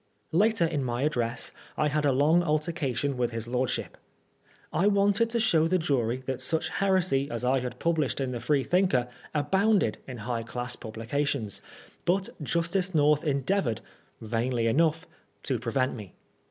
Later in my address I had along altercation with his lordship. I wanted to show the jury that such heresy as I had published in the Freethinker abounded in high class publications, but Justice North endeavored (vainly enough) to prevent me.